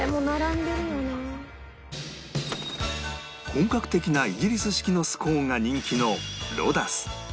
本格的なイギリス式のスコーンが人気のロダス